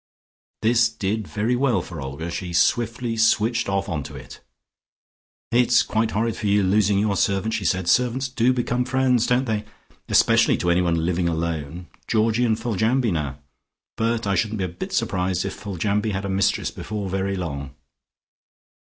This did very well for Olga: she swiftly switched off onto it. "It's quite horrid for you losing your servant," she said. "Servants do become friends, don't they, especially to anyone living alone. Georgie and Foljambe, now! But I shouldn't be a bit surprised if Foljambe had a mistress before very long."